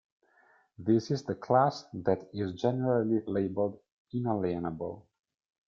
This is the class that is generally labeled inalienable.